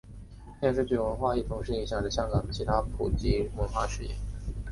电视剧文化亦同时影响着香港其他普及文化事业。